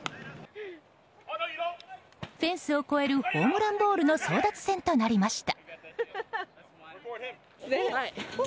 フェンスを越えるホームランボールの争奪戦となりました。